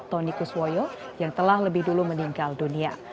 tony kuswoyo yang telah lebih dulu meninggal dunia